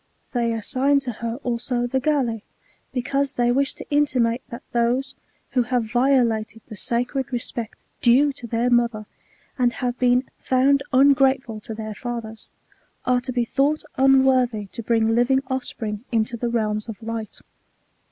They assign to her also the Galli ; because they wish to intimate that those, who have violated the sacred respect dtie to their mother, and have been found ungrateful to their fathers, are to be thought unworthy to bring living offspring into the realms of light.